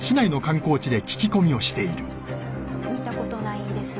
見たことないですね。